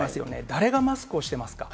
誰がマスクをしてますか。